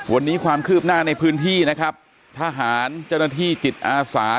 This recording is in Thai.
วันนี้ความคืบหน้าในพื้นที่นะครับทหารเจ้าหน้าที่จิตอาสา